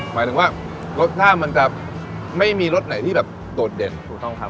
หมายถึงว่ารสชาติมันจะไม่มีรสไหนที่แบบโดดเด่นถูกต้องครับ